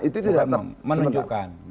itu tidak menunjukkan